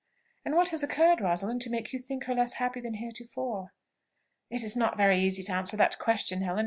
"And what has occurred, Rosalind, to make you think her less happy than heretofore?" "It is not very easy to answer that question, Helen.